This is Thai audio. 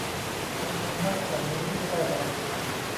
ฉันทำมากกว่านี้ไม่ได้แล้ว